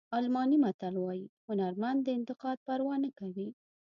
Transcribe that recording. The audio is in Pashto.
الماني متل وایي هنرمند د انتقاد پروا نه کوي.